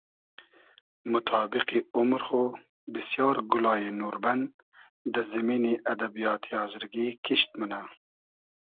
موتابیقی اومر خو بیسیار گولایی نوربئن دۂ زیمینی ادبیاتی آزرگی کیشت مونۂ